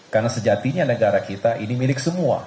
karena sejatinya negara kita ini milik semua